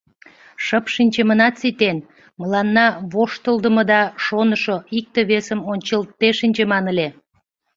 Шып шинчымынат ситен, мыланна воштылдымо да шонышо, икте-весым ончылтде шинчыман ыле.